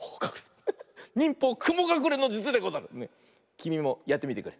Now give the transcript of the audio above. きみもやってみてくれ。